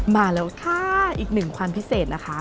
มาแล้วค่ะอีกหนึ่งความพิเศษนะคะ